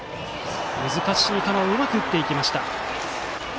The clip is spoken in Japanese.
難しい球をうまく打っていき